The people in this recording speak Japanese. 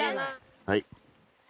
はい。